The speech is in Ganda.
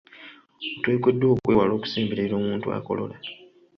Oteekeddwa okwewala okusemberera omuntu akolola.